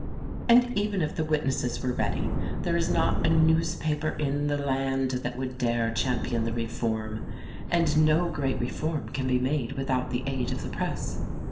And even if the witnesses were ready, there is not a newspaper in the land that would dare champion the reform. And no great reform can be made without the aid of the press.